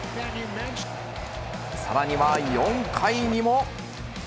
さらには４回にも。